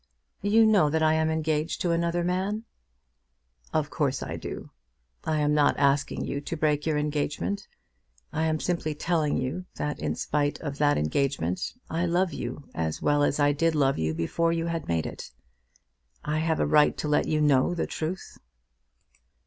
"You know that I am engaged to another man." "Of course I do. I am not asking you to break your engagement. I am simply telling you that in spite of that engagement I love you as well as I did love you before you had made it. I have a right to let you know the truth."